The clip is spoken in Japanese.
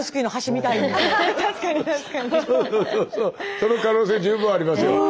その可能性十分ありますよ。